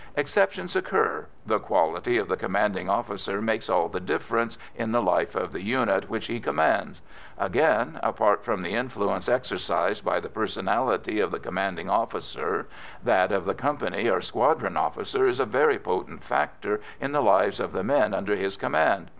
Exceptions occur: the quality of the commanding officer makes all the difference in the life of the unit which he commands; again, apart from the influence exercised by the personality of the commanding officer, that of the company or squadron officer is a very potent factor in the lives of the men under his command.